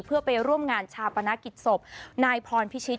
เพื่อไปร่วมงานชาปนกิจศพนายพรพิชิต